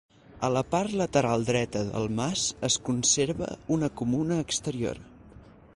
A la part lateral dreta del mas es conserva una comuna exterior.